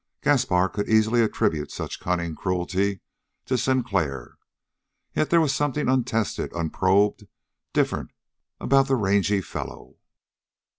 Gaspar could easily attribute such cunning cruelty to Sinclair. And yet there was something untested, unprobed, different about the rangy fellow.